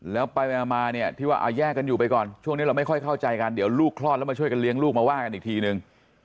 แล้วไปมาเนี่ยที่ว่าเอาแยกกันอยู่ไปก่อนช่วงนี้เราไม่ค่อยเข้าใจกันเดี๋ยวลูกคลอดแล้วมาช่วยกันเลี้ยงลูกมาว่ากันอีกทีนึง